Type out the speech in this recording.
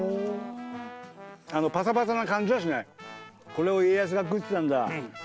これを家康が食ってたんだ。